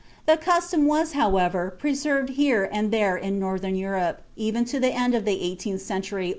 (The custom was, however, preserved here and there in Northern Europe, even to the end of the eighteenth century, or later.